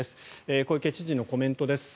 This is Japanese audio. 小池知事のコメントです。